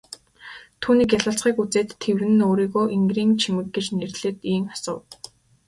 Түүний гялалзахыг үзээд тэвнэ өөрийгөө энгэрийн чимэг гэж нэрлээд ийн асуув.